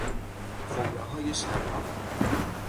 خمرههای شراب